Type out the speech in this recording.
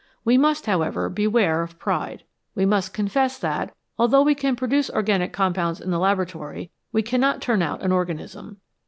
We must, however, beware of pride. We must confess that, although we can produce organic compounds in the laboratory, we cannot turn out an organism.